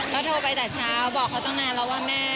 ก็โทรไปแต่เช้าบอกเขาตั้งนานแล้วว่าแม่